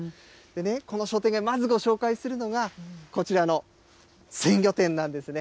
この商店街、まずご紹介するのがこちらの鮮魚店なんですね。